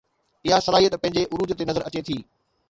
اها صلاحيت پنهنجي عروج تي نظر اچي ٿي